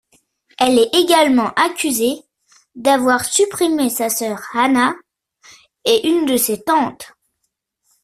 Elle est également accusée d'avoir supprimé sa sœur Anna et une de ses tantes.